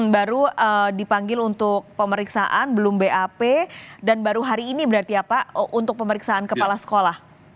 baru dipanggil untuk pemeriksaan belum bap dan baru hari ini berarti ya pak untuk pemeriksaan kepala sekolah